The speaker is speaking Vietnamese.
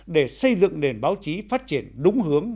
để xây dựng nền báo chí phát triển đúng hướng